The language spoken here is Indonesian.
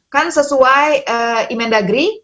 kan sesuai emenda gri